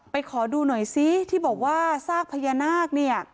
ขอดูหน่อยซิที่บอกว่าซากพญานาคเนี่ย